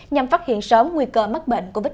nhằm phát hiện sớm nguy cơ mắc bệnh covid một mươi